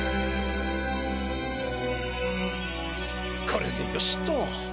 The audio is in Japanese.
これでよしと。